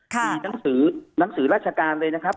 มีหนังสือหนังสือราชการเลยนะครับ